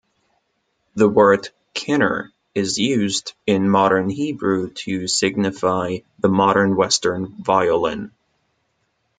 The word "kinnor" is used in modern Hebrew to signify the modern Western violin.